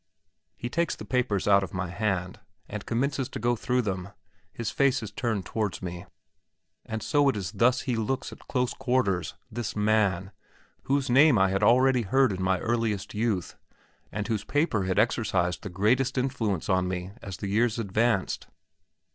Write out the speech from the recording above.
He takes the papers out of my hand, and commences to go through them. His face is turned towards me. And so it is thus he looks at close quarters, this man, whose name I had already heard in my earliest youth, and whose paper had exercised the greatest influence upon me as the years advanced?